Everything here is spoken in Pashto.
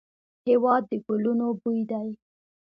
هېواد د ګلونو بوی دی.